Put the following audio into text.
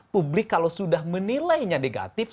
publik kalau sudah menilainya negatif